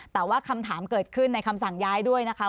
แต่ว่าคำถามเกิดขึ้นในคำสั่งย้ายด้วยนะคะ